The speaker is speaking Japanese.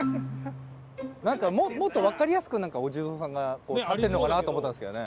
なんかもっとわかりやすくお地蔵さんが立ってるのかなと思ったんですけどね。